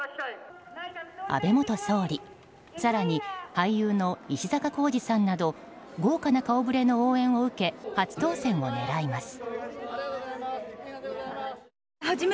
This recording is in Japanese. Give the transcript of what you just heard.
安倍元総理更に俳優の石坂浩二さんなど豪華な顔ぶれの応援を受け初当選を狙います。